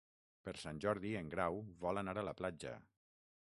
Per Sant Jordi en Grau vol anar a la platja.